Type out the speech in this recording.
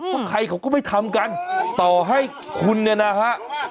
เพราะใครเขาก็ไม่ทำกันต่อให้คุณเนี่ยนะฮะ